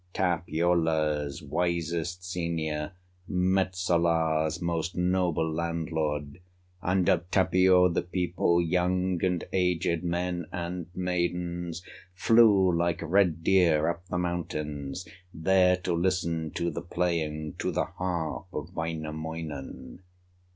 Tapiola's wisest senior, Metsola's most noble landlord, And of Tapio, the people, Young and aged, men and maidens, Flew like red deer up the mountains There to listen to the playing, To the harp of Wainamoinen.